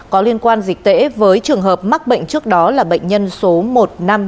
có liên quan dịch tễ với trường hợp mắc bệnh trước đó là bệnh nhân số một nghìn năm trăm năm mươi ba